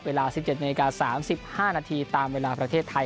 เวลา๑๗๓๕นตามเวลาประเทศไทย